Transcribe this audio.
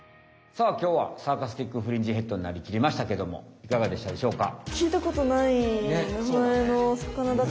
さあきょうはサーカスティック・フリンジヘッドになりきりましたけどもいかがでしたでしょうか？